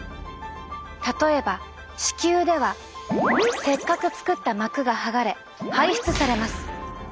例えば子宮ではせっかく作った膜が剥がれ排出されます。